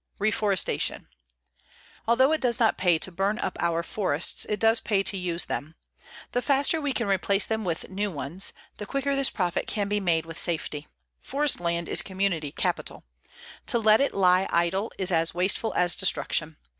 _ REFORESTATION Although it does not pay to burn up our forests, it does pay to use them. The faster we can replace them with new ones, the quicker this profit can be made with safety. Forest land is community capital. To let it lie idle is as wasteful as destruction.